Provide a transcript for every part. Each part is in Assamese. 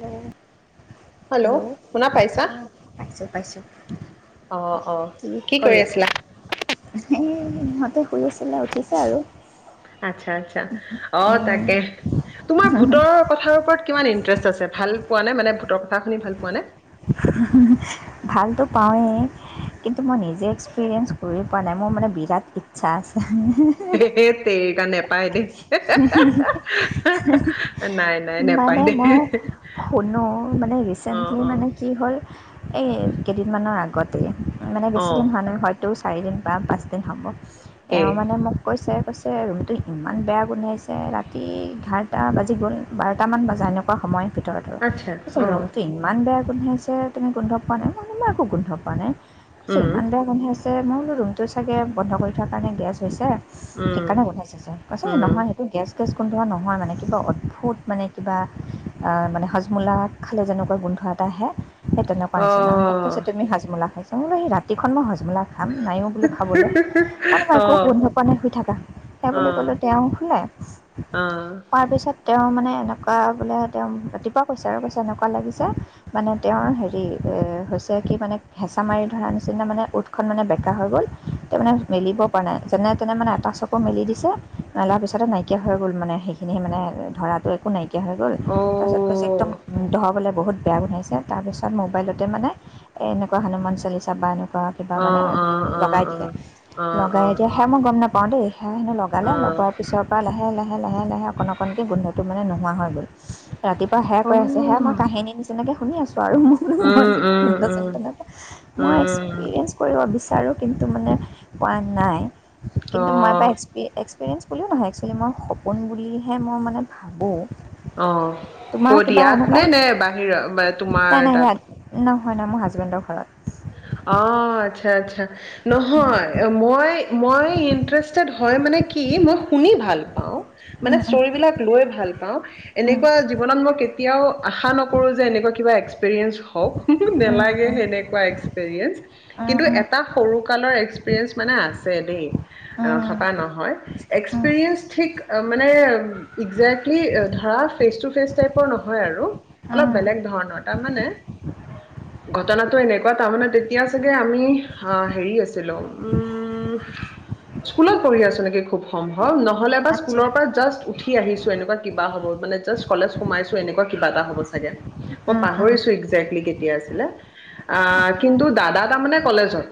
হম। হেল্ল' শুনা পাইছা? অ পাইছো-পাইছো কি কৰি আছিলা? এ সিহঁতে শুই আছিলে উঠিছে আৰু। আচ্ছা-আচ্ছা অ' উম, তাকে তোমাৰ ভূতৰ কথাৰ ওপৰত। কিমান ইন্টাৰেষ্ট আছে ভাল পোৱা নে মানে ভূতৰ কথা শুনি ভাল পোৱা নে? ভালতো পাওঁৱেই কিন্তু মই নিজে এক্সপিৰিয়েঞ্চ কৰি পোৱা নাই মোৰ মানে বিৰাট ইচ্ছা আছে। হে তেৰিকা নে- পাই দে। নাই, নাই নেপায় মানে দেই। মই শুনো মানে অ', ৰিচেণ্টলি অ', মানে কি হ'ল। এই কেইদিনমানৰ আগতেই। মানে বেছি অ', দিন হোৱা নাই হয়তো। চাৰিদিন বা পাঁচদিন হ'ব। এই এওঁ মানে মোক কৈছে। কৈছে ৰুমটো ইমান বেয়া। গোন্ধাইছে ৰাতি এঘাৰটা বাজি গ'ল। বাৰটামান বজা এনেকুৱা সময়। ভিতৰত আৰু আচ্ছা, পিছে অ', ৰুমটো ইমান বেয়া। গোন্ধাইছে তেনেকৈ গোন্ধ পোৱা নাই মানে মই একো গোন্ধ পোৱা নাই। পিছে উম, ইমান বেয়া গোন্ধাইছে। যে মই বোলো ৰুমটো চাগে বন্ধ কৰি থোৱাৰ কাৰণে গেছ হৈছে। উম, সেইকাৰণে গোন্ধাইছে চাগে কৈছে- উম, নহয় সেইটো গেছ। গেজ গোন্ধোৱা নহয় মানে কিবা অদ্ভুত মানে কিবা মানে হজমুলা খালে যেনেকুৱা গোন্ধ এটা আহে। সেই তেনেকুৱা নিচিনা মোক কৈছে অ'। তুমি সাজমোলা খাইছা সি ৰাতিখন মই ক সাছ মেলা খাম নায়ো বো খাবলৈ মানোব একো অ', গোন্ধ পোৱা নে শই থাককা সেই বুলি ক'লে অ', তেওঁ শুলে শুৱাৰ পিছত তেওঁ মানে এনেকুৱা বোলে তেওঁ ৰাতিপুৱা কৈছে আৰু কৈছে এনেকুৱা লাগিছে মানে তেওঁৰ হেৰি হৈছে কি মানে হেঁচা মাৰি ধৰা নিচিনা মানে উটখন মানে বেকা হৈ গ'ল তেওঁ মানে মেলিব পৰা নাই যেনে তেনে মানে এটা চকু মেলি দিছে মলাৰ পিছতে নাইকিয়া হৈ গ'ল মানে সেইখিনি মানে ধৰাটো একো নাইকিয়া নাইকিয়া হৈ গ'ল অ', তাৰপিছত কৈছে একদম অ'। ধহাবলৈ বহুত বেয়া বনাইছে তাৰপিছত মোবাইলতে মানে এনেকুৱা হনুমান চলিচা বা এনেকুৱা কিবা অ', মানে অ', অ', লগাই দিয়ে অ', অ', লগাই দিয়ে সেয়া অ', মই গম নাপাওঁ দেই স অ'। লগোৱাৰ পিছৰ পৰা লাহে লাহে লাহে লাহে লাহে অকণ অকণকৈ গোন্ধটো মানে নোহোৱা হৈ গ'ল ৰাতিপুৱাোই উম, আছে উম, সেয়া মই কাহিনী নিচিনাকৈ শুনি আছোঁ বাৰু ম উম, তে মই উম, এক্সপিৰিয়েঞ্চ কৰিব বিচাৰো তাৰো কিন্তু মানে পোৱা নাই অ', কিন্তু মই পাইছো এই এক্সপিৰিয়েঞ্চ বুলিও নহয় এক্সোৱুৱেলি মই সপোন বুলিহে মই মানে ভাবোঁ অ তোমাৰ কত কিবা ইয়াত এনেকুৱা নে নে বাহিৰত তোমাৰ ইয়াত তাত নহয় হয় নাই মোৰ হাজবেণ্ডৰ ঘৰত অ আচ্ছা আচ্ছা নহয় মই মই ইনষ্টাটে হয় মানে কি মই শুনি ভাল পাওঁ মানে ইষ্টৰিবলাক লৈ ভাল পাওঁ এনেকুৱা জীৱনত মই কে এতিয়াও আশা নকৰো যে এনেকুৱা কিবা এক্সপেৰিয়েন্ঞ্চ হওক নালাগে সেনেকুৱা এক্সপেৰিয়ে সৰু কালৰএক্সপেৰিয়েঞ্চদেই ন থকা নহয় এক্সপেৰিয়েঞ্চ থিক মানে এজেকলি ধৰা ফেচটু ফেচ টাইপ নহয় অলপ বেলেগ ধৰণৰ তামানে ঘটনা এনেকুৱা তাৰ মানে তেতিয়া চাগে আমি হে আছিলো উম স্কুলত পঢ়ি আছো নেকি খুব সম্ভৱ নহ নহ'লে বা স্কুলৰ পৰা জাষ্ট উঠি আহিছো এনেকুৱা কিবা হ'ব মানে জাষ্ট কলেজ সোমাইছো এনেকুৱা কিবা এটা হ'ব চাগে মই আচ্ছা পাহৰিছো একজেক্টলি কেতি আছিলে আহ কিন্তু দাদা তাৰমানে কলেজত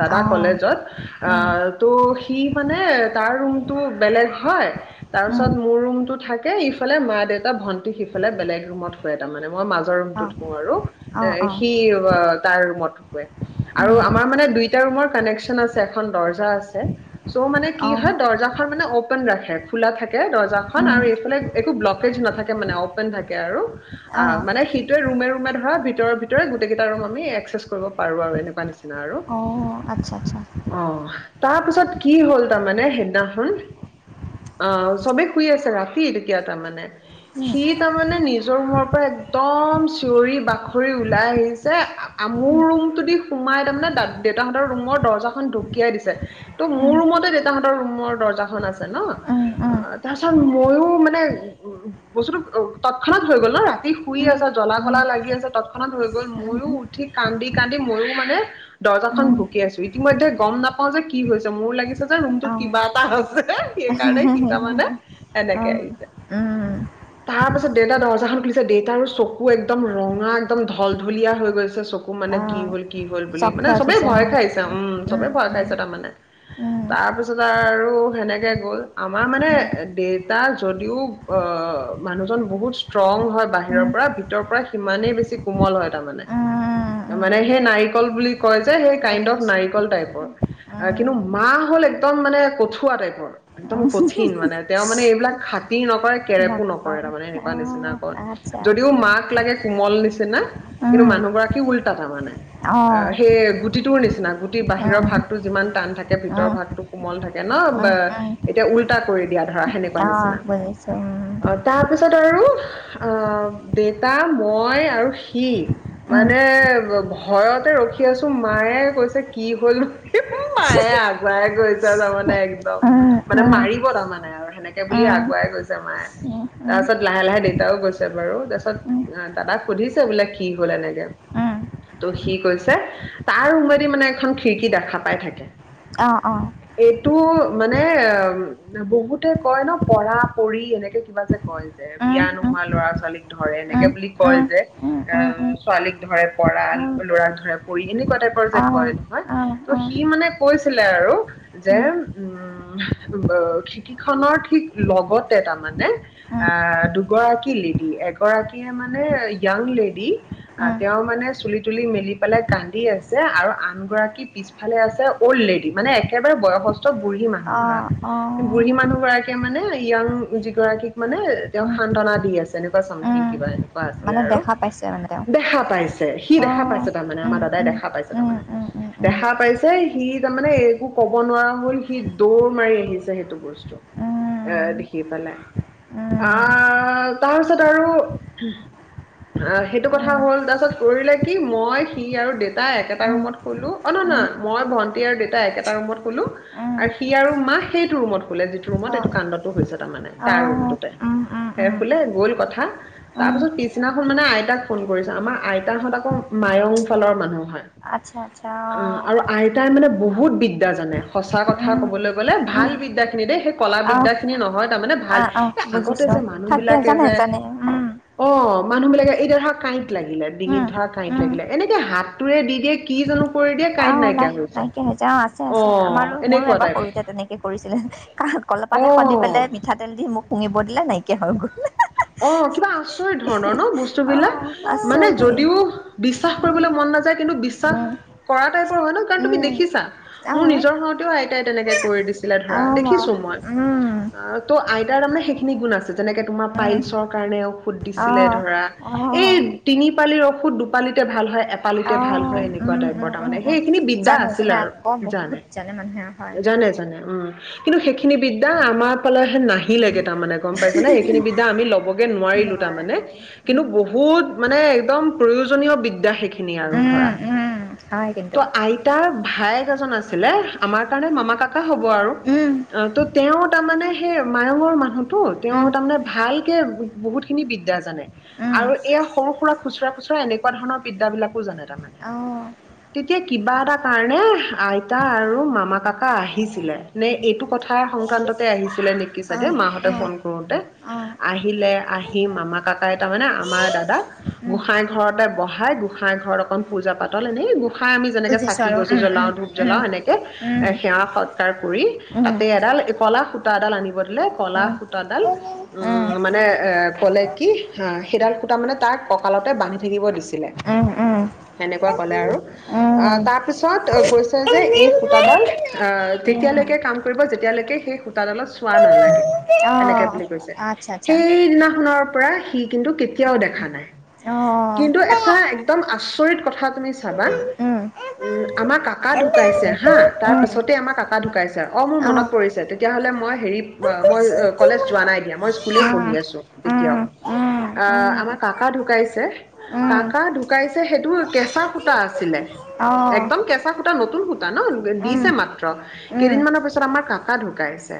দাদা কলেজত অ ত' সি মানে তাৰ ৰুমতটো বেলেগ হয় তাৰপিছত মোৰ ৰুমটো থাকে ইফালে মা দেউতা ভন্টিক সিফালে বেলেগ ৰুমত খুৱে তাৰমানে মই মাজৰ ৰুমটো শো আও তাৰ ৰুমত আৰু আমাৰ মানে দুইটা ৰুমৰ কানেকচন আছে এখন দৰ্জা আছে চ' মানে কি হয় দৰ্জা মানে অপেন ৰাখে খোলা থাকে দৰ্জাখন আৰু এইফালে একো ব্লকেজ নাথাকে মানে অপেন থাকে আৰু অ মানে সেইটোৱে ৰুমে হয় ভিতৰ ভিতৰে কেইটা ৰুম আমি এক্সক কৰিব পাৰো আৰু এনেকুৱা নিচি অ আচ্ছা আচ্ছা তাৰ পিছত কি হ'ল তাৰমানে সেইদিনাখন আহ চবে শুই আছে ৰাতি তেতিয়া তাৰমানে হুম, সি তাৰমানে নিজৰ মূমৰ পৰা একদম চিঞৰি বাখৰি ওলাই আহিছে যে আমোৰ হুম, ৰুমটোদি সোমাই তাৰমানে দেউতাহঁতৰ ৰুমৰ দৰ্জাখন ঢকিয়াই দিছে। ত' হুম, মোৰ ৰুমতে দেউতাহঁতৰ ৰুমৰ দৰ্জাখন আছে ন, হুম, হুম, অ' তাৰ পিছত মইও মানে উ-বস্তুটো তৎক্ষণাত হৈ গ'ল ন ৰাতি শুইে হুম, আছে জলা-কলা হুম, লাগি আছে তৎক্ষণাত হৈ গ'ল। হুম, মইও হুম, উঠি কান্দি-কান্দি ময়ো মানে দৰ্জাখন হুম, ভূকিয়াইছো। ইতিমধ্যেই গম নাপাও যে কি হৈছে, মোৰ লাগিছে যে ৰুমটোত ও, কিবা এটা আছে, সেইকাৰণে সি তাৰমানে হুম, এনেকে আহিছে। হুম, তাৰপিছত দেউতা দৰ্জাখন খুলিছে, দেউতাৰ আৰু চকু একদম ৰঙা একদম ধল ঢুলীয়া হৈ গৈছে চকু মানে অ, কি হ'ল! কি হ'ল বুলি চখ মানে খাই চবেই উঠিছে ভয় হুম, খাইছে। উম চবে ভয় পাইছে তাৰমানে। উম, উম, তাৰপিছত আৰু সেনেকে গ'ল, আমাৰ মানে উম, দেতা যদিও অ' মানুহজন বহুত ষ্ট্ৰং হয় উম, উম, উম, বাহিৰৰ পৰা, ভিতৰৰ পৰা সিমানেই বেছি কোমল হয়। তাৰ মানে, উম, মানে সেই নাৰিকল বুলি কয় যে সেই কাইণ্ড অফ বুজিছোঁ নাৰিকল টাইপৰ। কিন্তু উম, মা হ'ল একদম মানে কঠুৱা টাইপৰ। একদম উম, কঠিন মানে, তেওঁ মানে এইবিলাক খাতি ন কেৰেপো বাপ্পা নকৰে তাৰমানে অ, এনেকুৱা নিচিনাকন, আচ্ছা যদিও মাক লাগে কোমল নিচিনা গৰাকী উল্টা তাৰমানে। অ' সেই গো গুটিটোৰ নিচিনা, গুটি বাহিৰৰ ভাগটো যিমান টান থাকে ভিতৰৰ অঁ ভাগটো কোমল থাকে ন, এতিয়া উল্টা কৰি দিয়াত অ' বুজিছোঁ, উম। তাৰপিছত আৰু, আহ দেতা, মই আৰু সি মানে, ভয়তে ৰখি আছো মায়ে কৈছে কি হ'ল বুলি মায়ে আগুৱাই গৈছে, তাৰমানে একদম। মানে মাৰিব তাৰমানে মানে আৰু সেনেকে বুলি আগুৱাই গৈছে মায়ে। তাৰপাছত লাহে-লাহে দেউতাও গৈছে বাৰু। তাৰপিছত দাদাক সুধিছে বোলে কি গ'ল এনেকে। ত' সি কৈছে তাৰ ৰুমেদি মানে এখন খিৰিকী দেখা পাই থাকে। অ' অ'। টো মানে, বহুতে কয় ন পৰা-পৰি এনেকে কিবা যে কয় যে, বিয়া নোহোৱা ল'ৰা-ছোৱালীক ধৰে এনেকে বুলি কয় যে। অ ছোৱালীক ধৰে পৰা, ল'ৰাক ধৰে পৰী এনেকুৱা টাইপৰ যে কয় নহয়! ত' সি মানে কৈছিলে আৰু যে, উম খিৰিকীখনৰ ঠিক লগতে তাৰমানে, আহ দুগৰাকী লেডী এগৰাকীয়ে মানে ইয়ং লেডী তেওঁ মানে চুলি-তুলি মেলি পেলাই কান্দি আছে আৰু আনগৰাকী পিছফালে আছে অল্ড লেডী, মানে একেবাৰে বয়সস্থ ত' বুঢ়ী মানুহ ধৰা। বুঢ়ী মানুহগৰাকী মানে ইয়াং যিগৰাকীক মানে তেওঁক সান্ত্বনা দি আছে এনেকুৱা চামথিং কিবা এনেকুৱা আছিলে মানে আৰু দেখা পাইছে মানে তেওঁ? দেখা পাইছে, সি অঁ দেখা পাইছে তাৰমানে আমাৰ উম দাদাই উম দেখা পাইছে উম তাৰমানে। উম উম উম উম উম উম দেখা পাইছে সি তাৰমানে একো ক'ব নোৱাৰা হ'ল সি দৌৰ মাৰি আহিছে সেইটো বস্তু, এ দেখি পেলাই। উম উম উম আহ তাৰপিছত আৰু আহ এইটো অঁ অঁ কথা হ'ল, তাৰপিছত কৰিলে কি মই, সি আৰু দেতাই একেটা ৰুমত শুলো। অ' নহয়-নহয় মই, ভন্টি আৰু দেতাই একেটা ৰুমত শুলো। আৰু সি আৰু মা সেইটো ৰুমত শুলে, যিটো ৰুমত এইটো কাণ্ডটো হৈছে তাৰমানে, তাৰ ৰুমটোতে। উম উম সেই উম শুলে, গ'ল কথা তাৰ উম পাছত পিছদিনাখন মানে আইতাক ফোন কৰিছে আমাৰ আইতাহঁত আকৌ মায়ং ফালৰ মানুহ হয়। আচ্ছা আচ্ছা অ' আৰু আইতাই মানে বহুত বিদ্যা জানে। সঁচা কথা উম ক'বলৈ গ'লে ভাল উম বিদ্যাখিনি দেই সেই আহ কলাবদ্যাখিনি নহয় তাৰমানে ভাল, আহ আহ এই আগতে বুজিছো যে থাকে মানুহবিলাকে জানে যে জানে উম অ' মানুহবিলাকে এইদাৰ শাক কাঁইট লাগিলে ডিঙিত উম ধৰা কাঁইট উম লাগিলে, এনেকে হাতটোৰে দি দিয়ে কি জানো কৰি দিয়ে অ কাঁইট নাই নাইকিয়া যায় নাইকিয় হৈ হৈছে অ আছে আছে আমাৰো মোৰো এনেকুৱা এবাৰ টাইপ সৰুতে তেনেকে কৰিছিলে কাৰণ কলপাত অ এখন দি পেলাই মিঠাতেল দি মোক শুঙিব দিলে নাইকিয় এতিয়া হয় গ অ কিবা আচৰিত ননো অ বস্তোবিলাক মানেও আচৰিত যদিও বি বিশ্বাস কৰিবলৈ মন নাযায় কিন্তু বিশ্বাস উম কৰা টাইপৰ হয় ন কাৰণ তুমি উম দেখিছা মোৰ আহ নিজৰ হওঁতেও আইতাই তেনেকে কৰি দিছিলে আহ ধৰা দেখিছো মই উম আহ ত' আইতাৰ তাৰমানে সেইখিনি গুণ আছে যেনেকে তোমাৰ উম পাইলছৰ কাৰণে ঔষধ দিছিলে আহ ধৰা আহ এই তিনি পালিৰ ঔষধ দুপালিতে ভাল হয় এপালিতে ভাল আহ হয় এনেকুৱা উম টাইপৰ উম উম তাৰমানে উম সেইখিনি বিদ্যা জানে আছিলে জানে আৰু আকৌ বহুত জানে মানুহে হয় জানে জানে উম কিন্তু সেইখিনি বিদ্যা আমাৰ পালেহে নাহিল লেগে তাৰমানে গম পাইছ ন সেইখিনি বি আমি ল'বগে নোৱাৰিলো নোৱাৰে তাৰমানে আৰু কিন্তু উম বহুত মানে একদম প্ৰয়োজনীয় বিদ্যা সেইখিনি আৰু উম, ধৰা উম, হয় ত কিন্তু। আইতা ভাইক আছিলে আমাৰ কাৰণে মামা কাকা হব আৰু উম, অ ত' তেওঁ তাৰমানে সেই মায়ঙৰ মানুহতটো তেওঁ উম, তাৰমানে ভালকে বহুত খিনি বিদ্যা জানে উম, আৰু এয়া সৰু সুৰা খুচুৰা খুচুৰা এনেকুৱা ধৰণৰ বিদ্যা বিলাকো জানে তাৰমানে অ', তেতিয়া কিবা এটা কাৰণে আইতা আৰু মামা কাকা আহিছিলে নে এইটো কথা সংক্ৰান্ততে আহিছিলে নেকি চাগে অ', মাহঁতে অ', ফোন কৰোতে অ'। আহিলে আহি মামা কাকাই তাৰমানে আমাৰ দাদাক উম, গোঁসাই ঘৰতে বহাই গোসাই ঘৰত অকন পূজা পাতল এনেই গোস খাই আমি যেনেকে বুজিছো চাকি আৰু গছি উম, জ্বলাও উম, ধূপ উম, জ্বলাও এনেকে উম, সেৱা সত তাৰ পৰি তাতে উম, এডাল কলা সূতা এডাল আনিব দিলে কলা উম। সূতাডাল উম মানে এ কলে কি সেইডাল সূতা মানে তাক কঁকালতে বান্ধি থাকিব দিছিলে উম, সেনেকুৱা কলে আৰু অ উম। তাৰ পিছত কৈছে যে এই সূতাডাল আহ উম, যেতিয়ালৈকে কাম কৰিব যেতিয়ালৈকে সেই সূতাডালত চোৱা নালাগে সেনেকে অ', বুলি কৈছে আচ্ছা, আচ্ছা, সেইদিনাখনৰ পৰা সি কিন্তু কেতিয়াও দেখা নাই অ'। কিন্তু এটা একদম আছে আচৰিত কথা তুমি চাবা উম, আমাৰ কাকা ঢুকাইছে হা তাৰ উম, পিছতেই আমাৰ কাকা ঢুকাইছে মোৰ অ'। মনত পৰিছে হেৰি কলেজ যোৱা নাই দিয়া স্ পঢ়ি আছো তেতিয়াও আহ আমাৰ কাকা ঢুকাইছে কাকা ঢুকাইছে সেইটো কেঁচা সূতা আছিলে একদম কেঁচা সূতা নতুন সূতা ন দিছে মাত্ৰ কেইদিন মৰ পিছত আমাৰ কাকা ঢুকাইছে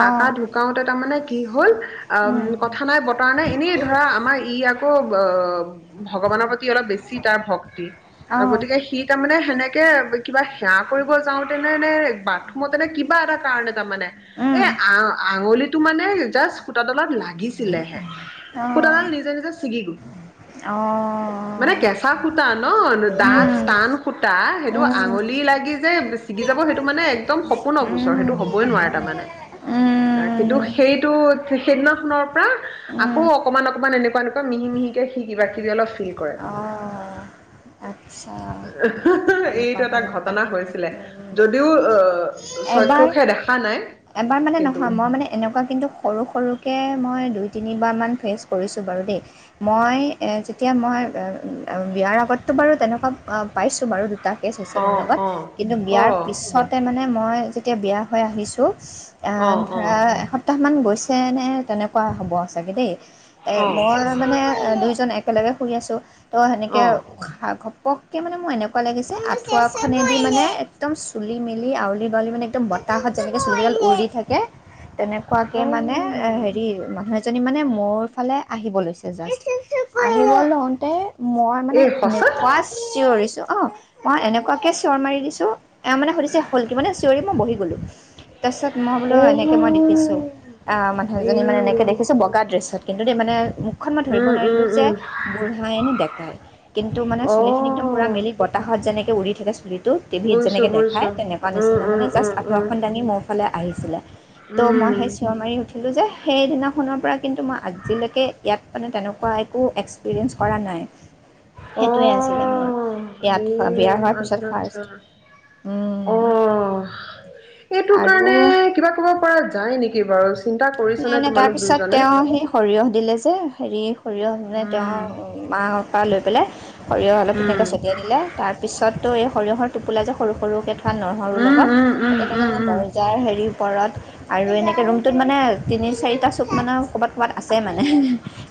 কাকা ঢুকাওতে তাৰ মানে কি হল অ কথা নাই বতৰা নাই এনেই ধৰা আমাৰ ই আকৌ অ ভগৱানৰ প্ৰতি অলপ বেছি তাৰ ভক্তি গতিকে সি তাৰমানে সেনেকে কিবা সেৱা কৰিব যাওঁতেনে বাথৰুমত তেনে কিবা এটা কাৰণে তাৰমানে এই আ আঙুলিটো মানে জাষ্ট সুতাডালত লাগিছিলেহে সূতাডাল নিজে নিজে ছিগি গৈ মানে কেঁচা সুতা ন ডাঠ টান সূতা সেইটো আঙুলি লাগি যে ছিগি যাব সেইটো মানে একদম সপোনৰ গোচৰ সেইটো হ'বই নোৱাৰে তাৰমানে কিন্তু সেইটো সেইদিনাখনৰ পৰা আকৌ অকমান অকমান এনেকুৱা এনেকুৱা মিহি মিহিকে সি কিবা কিবি অলপ ফিল কৰে অ তাৰমানে আচ্ছা এনেকুৱা এইটো এটা ধৰণৰ ঘটনা কাহিনী হৈছিলে উম যদিও আহ এবাৰ চক্ষুষে দেখা নাই এবাৰ মানে কিন্তু নহয় মই মানে এনেকুৱা কিন্তু সৰু সৰু এনেকে মই দুই তিনিবাৰমান ফেচ কৰিছোঁ বাৰু দেই মই যেতিয়া মই বিয়াৰ আগততো বাৰু তেনেকুৱা পাইছোঁ বাৰু এটা টেষ্ট হৈছে মোৰ অ' লগত অ' কিন্তু বিয়াৰ অ' পিছতে মানে মই। যেতিয়া বিয়া হৈ আহিছো। অ' ধৰা এসপ্তাহ মান গৈ। পিছে নে তেনেকুৱা হ'ব চাগে দেই। এ অ' অ' মই মানে দুইজন এক। একেলগে শুই আছো। তো সেনেকে অ উশাহ ঘন- পককে মানে মোৰ এনেকুৱা লাগিছে আঠুৱা খনেদি মানে একদম চুলি মেলি আউলি। আউলি মানে একদম বতাহত যেনেকে চুলিডাল উৰি থাকে। তেনেকুৱাকে মানে এ হেৰি মানুহজন। মানে মোৰ ফালে আহিব লৈছে জাষ্ট। লওঁতে মই মানে এই সঁচা এনেকুৱা চিঞৰিছো। অ' মই এনেকুৱাকে চিঞৰ মাৰি দিছো এওঁ মানে সুধিছে হ'ল কি? মানে চিঞৰি মই বহি গলো। তাৰপিছত মই বোলো এনেকে মই দেখিছো। আ মানুহ এজনী মানে এনেকে দেখিছো বগা ড্ৰেছত। কিন্তু দেই মানে মোক। মুখখন মই ধৰিব নোৱাৰিলো যে বুঢ়াই নে ডেক- গাই। কিন্তু মানে চুলি খিনি একদম পুৰা মেলি বতাহত যেনেকে। উৰি থাকে চুলিত। ট' টিভিত যেনেকে দেখাই তেনেকৈ নিচিনা মানে জাষ্ট আঠুৱাখন দাঙি মোৰ ফালে। আহিছিলে। ত' মই সেই চিঞৰ মাৰি উঠিলো যে। সেইদিনাখনৰ পৰা কিন্তু মই আজিলৈকে ইয়াত মানে তেনেকুৱা একো এক্সপেৰিয়েঞ্চ কৰা নাই। সেইটোৱে আছিলে মোৰ ইয়াত বিয়া হোৱাৰ পিছত আচ্ছা, আচ্ছা। ফাৰ্ষ্ট, উম। অ' এইটো কাৰণে কিবা কৰিব পৰা যায় নেকি? কেইবাৰ - নাই, নাই তাৰ পিছত তেওঁ সেই সৰিয়হ দিলে যে। হেৰি সৰিয়হ মানে তেওঁ উম, মাৰ পৰা লৈ পেলে। সৰিয়হ অলপ উম, ধুনীয়াকৈ ছটিয়াই দিলে তাৰপিছত। তো এই সৰিয়হৰ টোপোলা যে সৰু, সৰুকে। নহৰু উম, লগত উম, উম, তেনেকৈ উম, মানে উম। দৰ্জাৰ হেৰি। ওপৰত আৰু এনেকে ৰুম টোত মানে তিনি চাৰিটা চুক মানে ক'বাত কোৱাত আছে মানে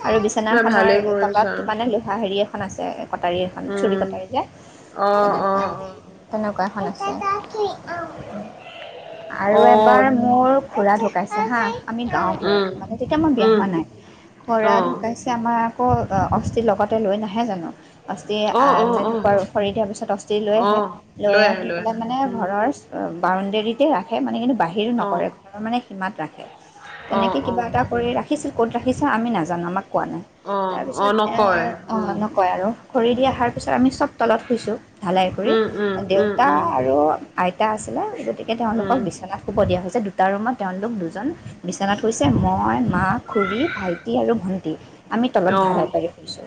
আৰু নাই ভালেই বিচনাখনৰ কৰিছা। তলত মানে লোহা হেৰি এখন আছে। কটাৰী এখন চুৰী উম, কটাৰী যে অ', তেনেকুৱা অ', তেনেকুৱা এখন আছে। চ দাখি অ', অ', আৰু এবাৰ অ', মোৰ খুৰা পাইছে হা আমি গাঁও উম, ঘৰত মানে তেতিয়া মই বিয়া হোৱা উম। নাই অ', খুড়া ঢুকাইছে আমাৰ আকৌ অস্থিৰ লগতে লৈ নাহে জানো অ', অ', অস্থিৰ অ', খৰি দিয়াৰ পিছত অস্থি লৈ আহে অ', লৈ আহে আহি পেলাই আহে মানে উম, ঘৰৰ বাউণ্ডেীতে ৰাখে মানে কিন্তু বাহিৰো নকৰে অ', ঘৰৰ মানে সীমাত ৰাখে অ', তেনেকে কিবা অ', এটা কৰি ৰাখি ক'ত ৰাখিছে আমি নাজানো আমাক কোৱা নাই অ', তাৰপিছত অ', নকয় উম, নকয় আৰু খৰি দি অহাৰ পিছত আমি চব তলত শুইছোঁ ঢালাই কৰি উম, উম, উম, দেউতা উম, আৰু আইতা আছিলে গতিকে তেওঁলোকক উম, বিচনাত শুব দিয়া হৈছে দু তাৰ ৰূমৰ তেওঁলোক দুজন বিছনাত হৈছে মই, মা, খুৰী, ভাইটি আৰু ভণ্টী আমি তলত ধাৰাই অ', পাৰি হুইছো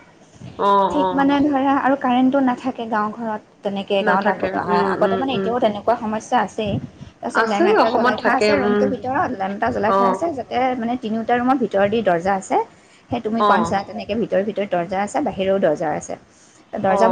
অ', ঠিক মানে অ', ধৰা আৰু কাৰেণ্টো নাথাকে গাঁওঘৰত তেনেকে গাঁৱত নাথাকে আগ উম, আগতে উম, মানে উম, এতিয়াও তেনেকুৱা সমস্যা আছেই তাৰপিছত আছে লেম্প এটা অসমত জ্বলাই থোৱা থাকে আছে উম, ৰুমটোৰ ভিতৰত লেম্প এটা জ্বলাই থ অ', আছে যাতে মানে তিনিওটা ৰুমৰ ভিতৰ দি দৰ্জা আছে সেই তুমি অ', কনছা তেনেকে ভিতৰ ভিতৰত দৰ্জা আছে বাহিৰেও দৰ্জা আছে অ দৰ্জা